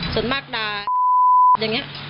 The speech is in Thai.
ส่วนมากด่าอย่างนี้